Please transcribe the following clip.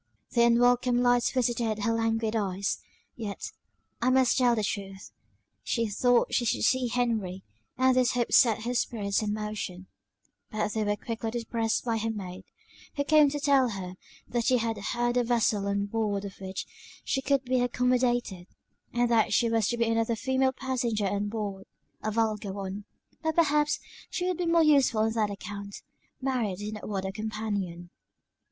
The unwelcome light visited her languid eyes; yet, I must tell the truth, she thought she should see Henry, and this hope set her spirits in motion: but they were quickly depressed by her maid, who came to tell her that she had heard of a vessel on board of which she could be accommodated, and that there was to be another female passenger on board, a vulgar one; but perhaps she would be more useful on that account Mary did not want a companion.